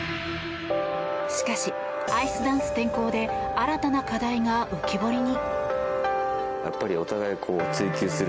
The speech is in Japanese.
しかし、アイスダンス転向で新たな課題が浮き彫りに。